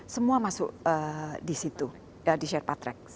semua masuk di situ di sherpa track